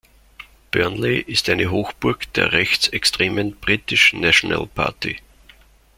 Burnley ist eine Hochburg der rechtsextremen British National Party.